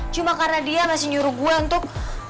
cuma karena dia masih nyuruh gue untuk